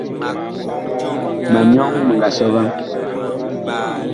Ma nyɔŋ mi nga sɔ vaŋ.